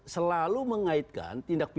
selalu mengaitkan tindak pidana